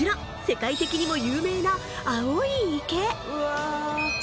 世界的にも有名なうわ